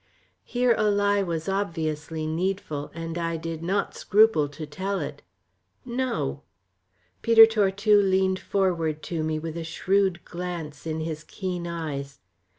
Here a lie was obviously needful, and I did not scruple to tell it. "No." Peter Tortue leaned forward to me with a shrewd glance in his keen eyes.